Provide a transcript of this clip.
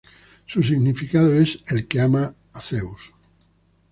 Su significado es "el que ama a Dios".